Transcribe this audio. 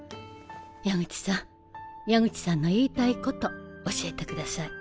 矢口さん矢口さんの言いたいこと教えてください。